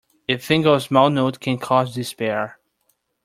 A thing of small note can cause despair.